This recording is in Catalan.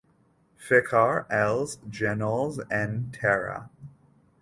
Ficar els genolls en terra.